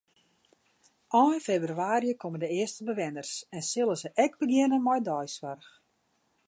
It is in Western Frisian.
Ein febrewaarje komme de earste bewenners en sille se ek begjinne mei deisoarch.